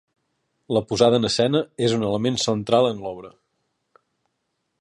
La posada en escena és un element central en l’obra.